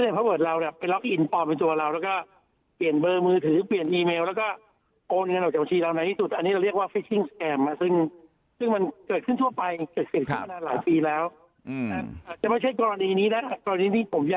แต่ทานดวงรูปแบบเนี้ยมันเป็นแบบนี้แบบที่อาจารย์